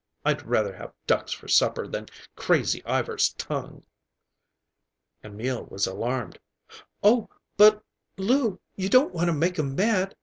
I'd rather have ducks for supper than Crazy Ivar's tongue." Emil was alarmed. "Oh, but, Lou, you don't want to make him mad!